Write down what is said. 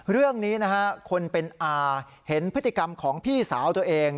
เรื่องนี้นะฮะคนเป็นอาเห็นพฤติกรรมของพี่สาวตัวเอง